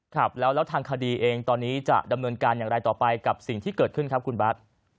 ครับแล้วทางคดีเองตอนนี้จะดำเนินการอย่างไรต่อไปกับสิ่งที่เกิดขึ้นครับคุณบาท